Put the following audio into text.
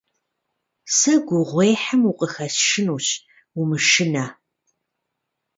Сэ гугъуехьым укъыхэсшынущ, умышынэ.